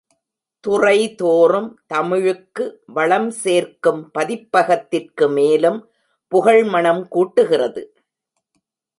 துறைதோறும் தமிழுக்கு வளம் சேர்க்கும் பதிப்பகத்திற்கு மேலும் புகழ் மணம் கூட்டுகிறது.